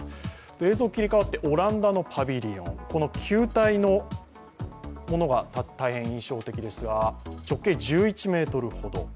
映像切り替わってオランダのパビリオンこの球体のものが特徴的ですが直径１１ｍほど。